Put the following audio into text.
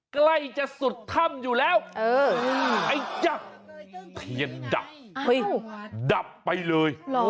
ใกล้จะสุดถ้ำอยู่แล้วไอ้จักรเทียนดับดับไปเลย